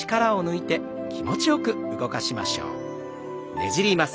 ねじります。